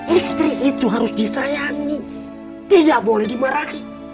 istri itu harus disayangi tidak boleh dimarahi